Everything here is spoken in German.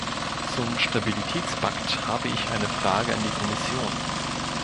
Zum Stabilitätspakt habe ich eine Frage an die Kommission.